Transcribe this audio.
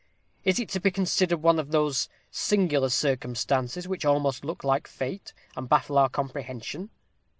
is it to be considered one of those singular circumstances which almost look like fate, and baffle our comprehension?